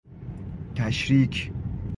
تشریک